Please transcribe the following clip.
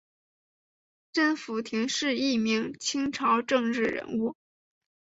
甄辅廷是一名清朝政治人物。